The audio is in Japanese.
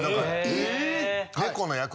えっ！